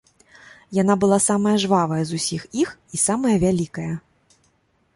Яна была самая жвавая з усіх іх і самая вялікая.